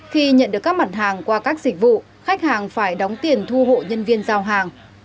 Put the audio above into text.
khi nhận được các mặt hàng qua các dịch vụ khách hàng phải đóng tiền thu hộ nhân viên giao hàng